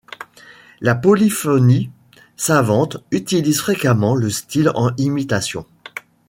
La polyphonie, savante, utilise fréquemment le style en imitation.